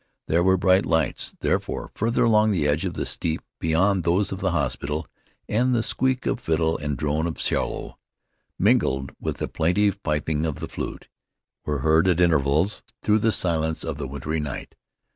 There were bright lights, therefore, further along the edge of the steep, beyond those of the hospital, and the squeak of fiddle and drone of 'cello, mingled with the plaintive piping of the flute, were heard at intervals through the silence of the wintry night.